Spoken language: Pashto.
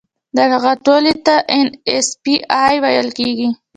دغه ټولنې ته ان ایس پي اي ویل کیږي.